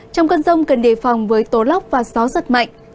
trong cơn rông cần đề phòng với tố lốc và gió giật mạnh